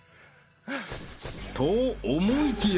［と思いきや］